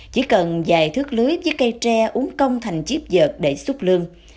chỉ cần dài thước lưới với cây tre uống công thành chiếp vợt để xúc lương